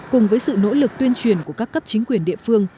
cùng với sự nỗ lực tuyên truyền của các cấp chính quyền địa phương